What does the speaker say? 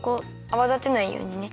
あわだてないようにね。